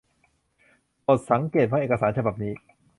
โปรดสังเกตว่าเอกสารฉบับนี้